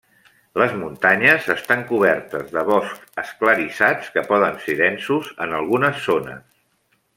Les muntanyes estan cobertes de boscs esclarissats que poden ser densos en algunes zones.